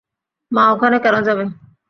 মা ওখানে কেন যাবে?